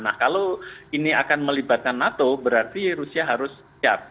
nah kalau ini akan melibatkan nato berarti rusia harus siap